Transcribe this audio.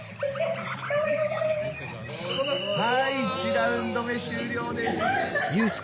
はい１ラウンド目終了です。